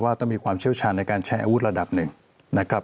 ต้องมีความเชี่ยวชาญในการใช้อาวุธระดับหนึ่งนะครับ